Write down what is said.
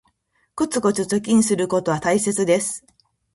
コツコツ貯金することは大切です